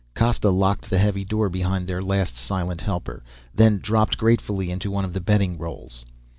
Costa locked the heavy door behind their last silent helper, then dropped gratefully onto one of the bedding rolls.